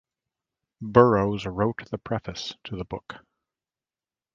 Burroughs wrote the preface to the book.